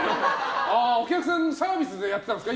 お客さんにサービスでやってたんですか？